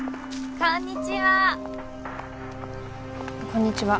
こんにちは。